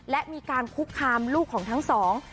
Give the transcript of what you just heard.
และมีการคุกคามลูกของทั้งสอง